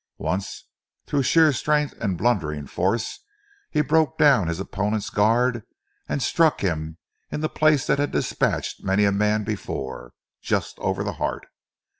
Once, through sheer strength and blundering force, he broke down his opponent's guard and struck him in the place that had dispatched many a man before just over the heart.